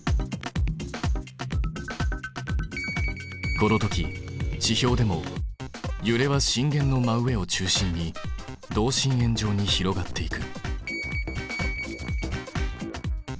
このとき地表でもゆれは震源の真上を中心に同心円状に広がっていく。